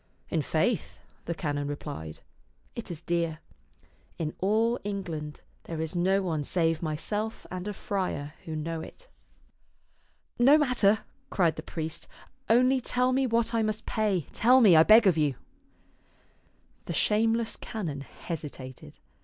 " In faith," the canon replied, " it is dear. In all England there is no one save myself and a friar who know it." "No matter," cried the priest, " only tell me what I must pay. Tell me, I beg of you." The shameless canon hesitated.